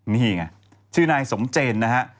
นี่ไงชื่อนายสมเจนนะฮะ